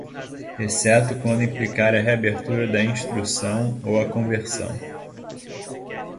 exceto quando implicar a reabertura da instrução ou a conversão